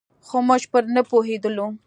خو موږ پرې نه پوهېدلو.